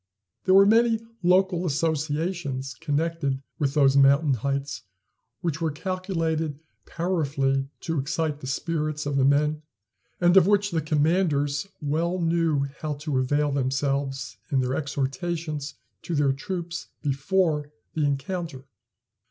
There were many local associations connected with those mountain heights which were calculated powerfully to excite the spirits of the men, and of which the commanders well knew how to avail themselves in their exhortations to their troops before the encounter.